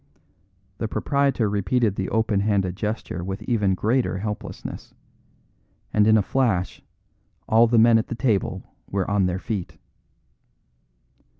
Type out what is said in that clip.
The proprietor repeated the open handed gesture with even greater helplessness and in a flash all the men at the table were on their feet.